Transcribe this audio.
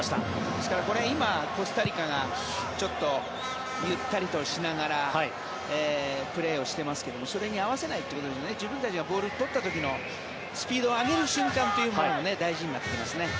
ですからこれ今、コスタリカがちょっとゆったりとしながらプレーをしてますがそれに合わせないということで自分たちがボールを取った時のスピードを上げる瞬間というのも大事になってきますね。